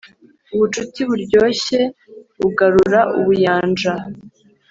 ubucuti buryoshye bugarura ubuyanja.